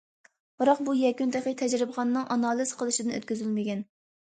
بىراق بۇ يەكۈن تېخى تەجرىبىخانىنىڭ ئانالىز قىلىشىدىن ئۆتكۈزۈلمىگەن.